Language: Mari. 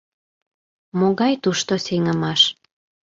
— Могай тушто сеҥымаш...